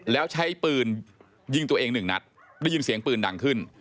แล้วใช้ปืนยิงตัวเองหนึ่งนัดได้ยินเสียงปืนดังขึ้น